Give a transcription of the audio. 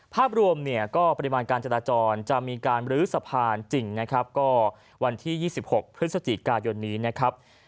ภาพรวมเนี่ยก็ปริมาณการจราจรจะมีการบรื้อสะพานจริงนะครับก็วันที่๒๖พฤศจิกายนนี้นะครับ